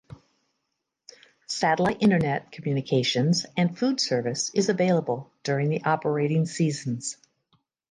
Satellite internet communications and Food service is available during the operating seasons.